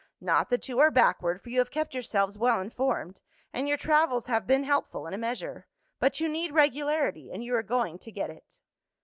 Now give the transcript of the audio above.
Not that you are backward, for you have kept yourselves well informed, and your travels have been helpful, in a measure. But you need regularity, and you are going to get it.